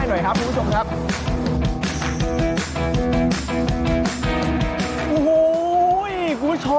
โอ้โฮ